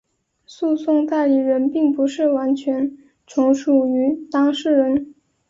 诉讼代理人并不是完全从属于当事人。